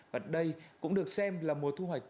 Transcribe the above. và đây cũng được xem là mùa thu hoạch